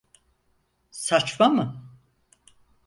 Saçma mı?